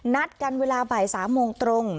นัดกันเวลาบ่าย๓โมงตรง